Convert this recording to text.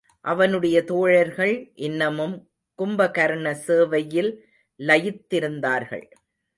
அவனுடைய தோழர்கள் இன்னமும் கும்பகர்ண சேவையில் லயித்திருந்தார்கள்.